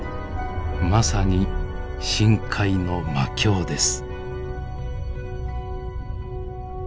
まさに深海の魔境です。